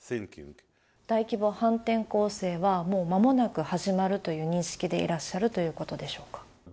大規模反転攻勢は、もうまもなく始まるという認識でいらっしゃるということでしょうか？